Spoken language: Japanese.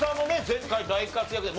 前回大活躍で。